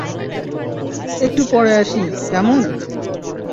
একটু পরে আসি, কেমন?